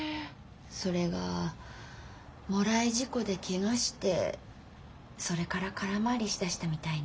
それがもらい事故でケガしてそれから空回りしだしたみたいね。